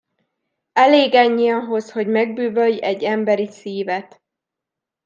Elég ennyi ahhoz, hogy megbűvölj egy emberi szívet.